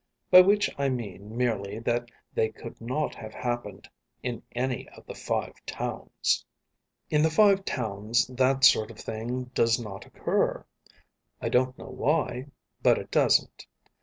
By which I mean merely that they could not have happened in any of the Five Towns. In the Five Towns that sort of thing does not occur. I don't know why, but it doesn't.